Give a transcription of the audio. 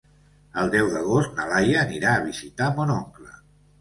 El deu d'agost na Laia anirà a visitar mon oncle.